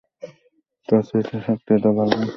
তোর স্মৃতি শক্তি তো ভালোই।